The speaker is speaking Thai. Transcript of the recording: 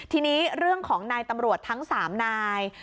ทีนี้เรื่องของนายตำรวจทั้ง๓นาย